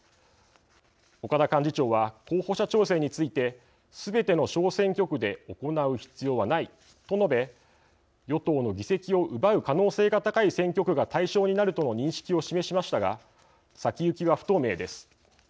岡田幹事長は候補者調整についてすべての小選挙区で行う必要はないと述べ与党の議席を奪う可能性が高い選挙区が対象になるとの認識を示しましたが先行きは不透明です。